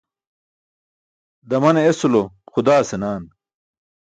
Damane esulo xudaa senaaan.